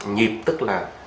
nhịp tức là